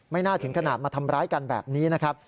น่าถึงขนาดมาทำร้ายกันแบบนี้นะครับ